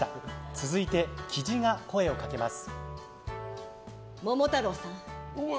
続いてキジが声をかけます。